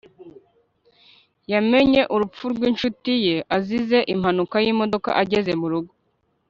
yamenye urupfu rwinshuti ye azize impanuka yimodoka ageze murugo